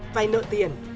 vay nợ tiền